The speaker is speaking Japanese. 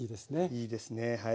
いいですねはい。